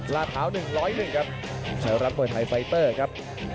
ลาเท้า๑๐๑ครับแชร์รับมวยไทยไฟเตอร์ครับ